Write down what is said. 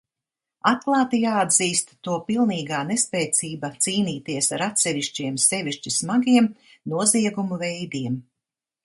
Atklāti jāatzīst to pilnīgā nespēcība cīnīties ar atsevišķiem sevišķi smagiem noziegumu veidiem.